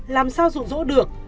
làm sao dụ dỗ được